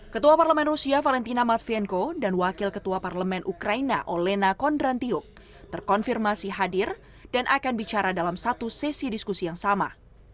ketua parlemen rusia valentina matvienko dan wakil ketua parlemen ukraina olena condrantiuk terkonfirmasi hadir dan akan bicara dalam satu sesi diskusi yang sama